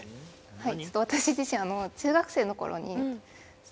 はい